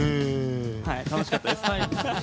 楽しかったです。